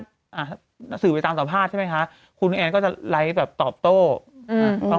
ถ้าสื่อไปตามสอบภาษณ์ใช่ไหมคะน่ะก็จะไร้แบบต่อโต้อืม